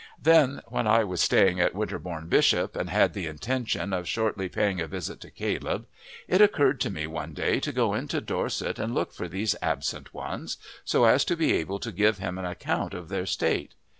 Then, when I was staying at Winterbourne Bishop and had the intention of shortly paying a visit to Caleb, it occurred to me one day to go into Dorset and look for these absent ones, so as to be able to give him an account of their state.